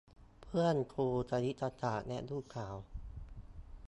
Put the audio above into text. เพื่อนครูคณิตศาสตร์และลูกสาว